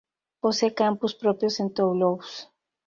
Posee campus propios en Toulouse.